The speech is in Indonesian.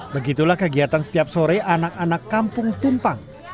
begitulah kegiatan setiap sore anak anak kampung tumpang